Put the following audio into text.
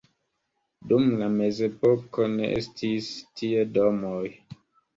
Dum la mezepoko ne estis tie domoj.